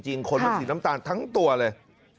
คนมันสีน้ำตาลทั้งตัวเลย